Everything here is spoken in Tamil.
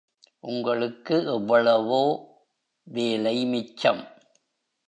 உங்களுக்கு எவ்வளோ வேலை மிச்சம்.